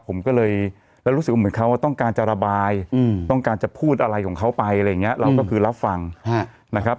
ผมก็เลยแล้วรู้สึกว่าเหมือนเขาต้องการจะระบายต้องการจะพูดอะไรของเขาไปอะไรอย่างนี้เราก็คือรับฟังนะครับ